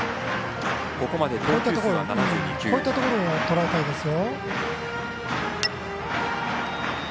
こういったところをとらえたいですよ。